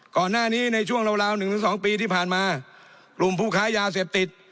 ก่อนหน้านี้ในช่วงราวหนึ่งถึงสองปีที่ผ่านมากลุ่มผู้ค้ายาเสพติด